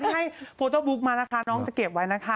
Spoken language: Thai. ให้โฟโต้บุ๊กมานะคะน้องจะเก็บไว้นะคะ